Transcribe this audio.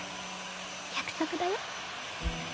約束だよ。